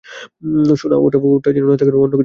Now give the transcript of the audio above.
সোনা, ওটা যেন নাশতাই হয়, অন্য কিছু নয়।